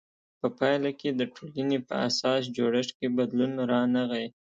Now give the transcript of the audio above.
په پایله کې د ټولنې په اساسي جوړښت کې بدلون رانغی.